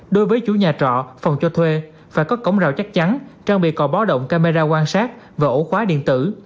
đối với chủ nhà trọ phòng cho thuê phải có cổng rào chắc chắn trang bị cò báo động camera quan sát và ổ khóa điện tử